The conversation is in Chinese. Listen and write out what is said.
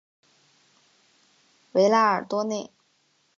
维拉尔多内。